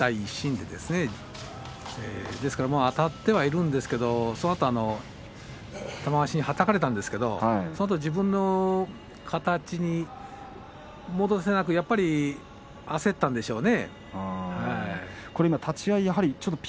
ですからあたってはいるんですけど、そのあと玉鷲に、はたかれたんですけどそのあと自分の形に戻せなくてやっぱり焦ったんでしょうね。